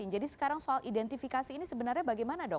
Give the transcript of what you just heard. jadi sekarang soal identifikasi ini sebenarnya bagaimana dok